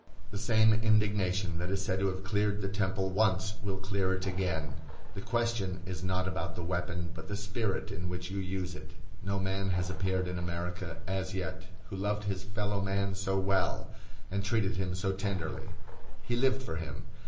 The same indignation that is said to have cleared the temple once will clear it again. The question is not about the weapon, but the spirit in which you use it. No man has appeared in America, as yet, who loved his fellow man so well, and treated him so tenderly. He lived for him.